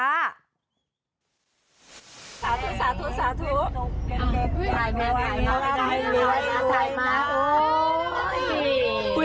สาธุ